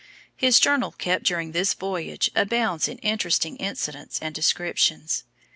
His journal kept during this voyage abounds in interesting incidents and descriptions.